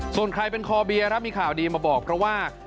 ส่วนใครเป็นคอเบียร์ครับมีข่าวดีมาบอกเพราะว่า